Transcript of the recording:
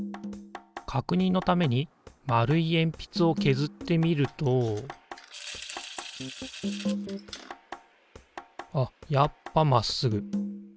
かくにんのために丸いえんぴつをけずってみるとあっやっぱまっすぐ。